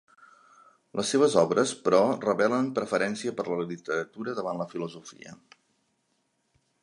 Les seves obres, però revelen preferència per la literatura davant la filosofia.